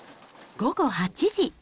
午後８時。